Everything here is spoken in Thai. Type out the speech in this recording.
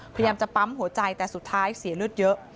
พยายามจะปั๊มหัวใจแต่สุดท้ายเสียเลือดเยอะ